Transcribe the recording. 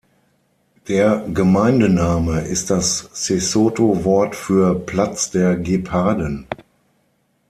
Der Gemeindename ist das Sesotho-Wort für "Platz der Geparden".